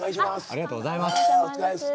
ありがとうございます。